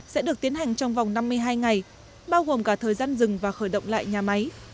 sẽ được tiến hành trong vòng năm mươi hai ngày bao gồm cả thời gian dừng và khởi động lại nhà máy